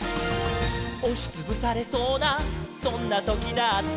「おしつぶされそうなそんなときだって」